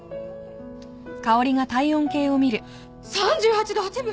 ３８度８分！？